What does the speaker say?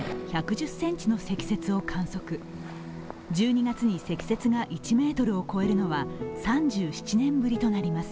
１２月に積雪が１ｍを超えるのは３７年ぶりとなります。